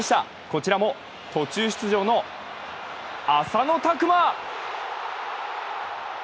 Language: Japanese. こちらも途中出場の浅野拓磨。